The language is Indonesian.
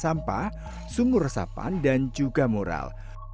sampah sumur resapan dan juga mural